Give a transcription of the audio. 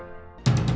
kalo diambil semua